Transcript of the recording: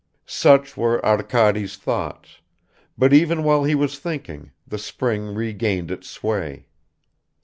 Such were Arkady's thoughts ... but even while he was thinking, the spring regained its sway.